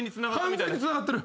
完全につながってる。